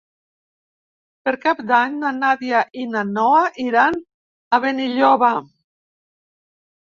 Per Cap d'Any na Nàdia i na Noa iran a Benilloba.